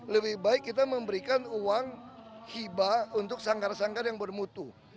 lebih baik kita memberikan uang hibah untuk sangkar sanggar yang bermutu